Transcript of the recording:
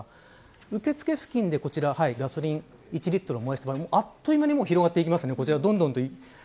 受付付近でガソリン１リットル燃やしたらあっという間に広がっていきます。